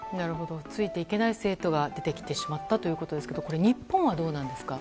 ついていけない生徒が出てきてしまったということですが日本はどうなんですか？